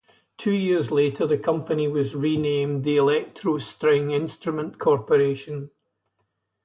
Two years later the company was renamed the Electro String Instrument Corporation.